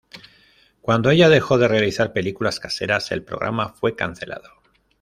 Cuando ella dejó de realizar películas caseras, el programa fue cancelado.